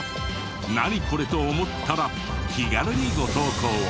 「ナニコレ？」と思ったら気軽にご投稿を。